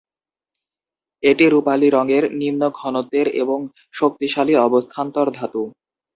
এটি রূপালি রঙের, নিম্ন ঘনত্বের এবং শক্তিশালী অবস্থান্তর ধাতু।